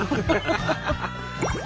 ハハハ！